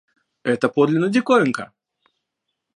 Это подлинно диковинка!